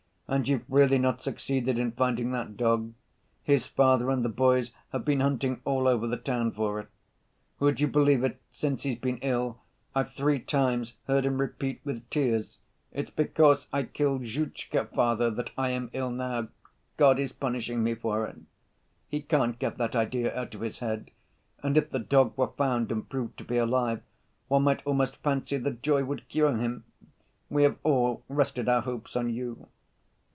And you've really not succeeded in finding that dog? His father and the boys have been hunting all over the town for it. Would you believe it, since he's been ill, I've three times heard him repeat with tears, 'It's because I killed Zhutchka, father, that I am ill now. God is punishing me for it.' He can't get that idea out of his head. And if the dog were found and proved to be alive, one might almost fancy the joy would cure him. We have all rested our hopes on you."